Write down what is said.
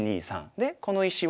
でこの石は？